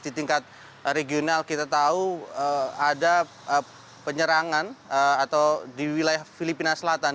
di tingkat regional kita tahu ada penyerangan atau di wilayah filipina selatan